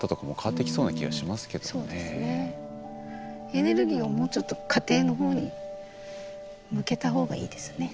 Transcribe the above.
エネルギーをもうちょっと家庭のほうに向けたほうがいいですね。